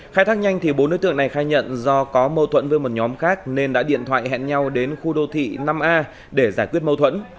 khai thác nhanh thì bốn đối tượng này khai nhận do có mâu thuẫn với một nhóm khác nên đã điện thoại hẹn nhau đến khu đô thị năm a để giải quyết mâu thuẫn